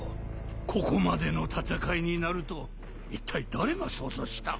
ここまでの戦いになるといったい誰が想像した？